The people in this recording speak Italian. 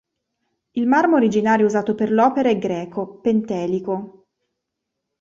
Il marmo originario usato per l'opera è greco, pentelico.